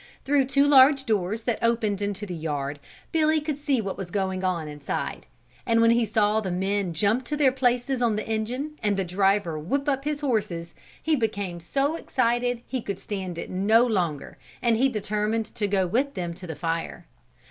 Through two large doors that opened into the yard Billy could see what was going on inside. And when he saw the men jump to their places on the engine and the driver whip up his horses, he became so excited he could stand it no longer and he determined to go with them to the fire.